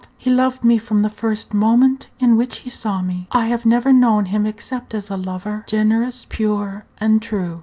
"He loved me from the first moment in which he saw me. I have never known him except as a lover generous, pure, and true."